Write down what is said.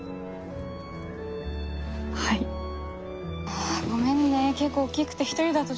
はい。ああごめんね結構大きくて一人だとちょっと。